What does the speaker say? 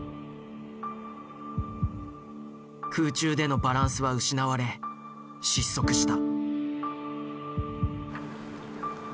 空中でのバランスは失われ失速した。